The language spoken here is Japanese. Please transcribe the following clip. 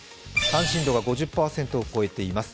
関心度が５０％を超えています。